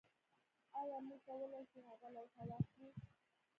ایا موږ کولی شو هغه لوحه واخلو